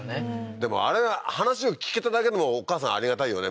でもあれが話を聞けただけでもお母さんありがたいよね